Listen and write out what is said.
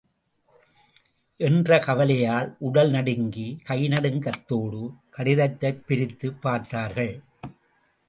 என்ற கவலையால், உடல் நடுங்கி, கைநடுக்கத் தோடு கடிதத்தைப் பிரித்துப் பார்த்தார்கள்.